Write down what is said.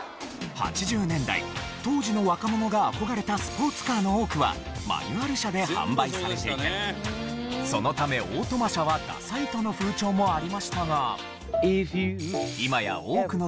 ８０年代当時の若者が憧れたスポーツカーの多くはマニュアル車で販売されていてそのためオートマ車はダサいとの風潮もありましたが。